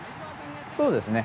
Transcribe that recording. そうですね。